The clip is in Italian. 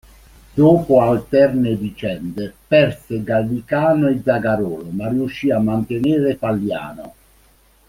Dopo alterne vicende, perse Gallicano e Zagarolo, ma riuscì a mantenere Paliano.